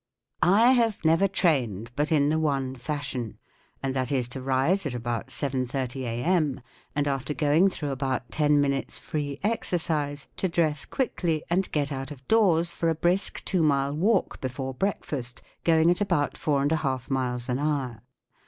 I have never trained but in the one fashion, and that is to rise at about seven thirty a.m., and, after going through about ten minutes* free exert islet US dfes quickly and get out of before breakfast, “HOW I KEEP FIT.” 29 going at about four and a half miles an hour.